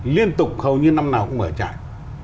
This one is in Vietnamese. liên tục hầu như năm nào cũng mở trại